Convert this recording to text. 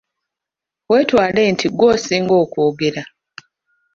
Weetwale nti ggwe osinga okwogera.